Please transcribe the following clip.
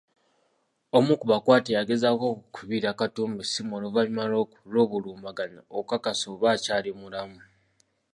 Omu ku bakwate yagezaako okukubira Katumba essimu oluvannyuma lw’obulumbaganyi okukakasa oba akyali mulamu.